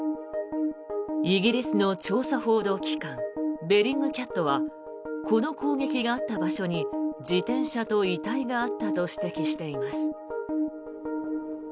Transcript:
イギリスの調査報道機関ベリングキャットはこの攻撃があった場所に自転車と遺体があったと指摘しています。